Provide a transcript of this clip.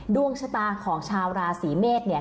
ดวงชะตาของชาวราศีเมษเนี่ย